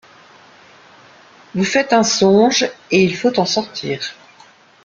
Vous faites un songe, et il faut en sortir.